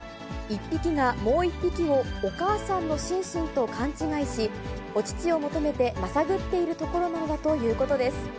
上野動物園によりますと、実はこれ、１匹がもう１匹を、お母さんのシンシンと勘違いし、お乳を求めてまさぐっているところなのだということです。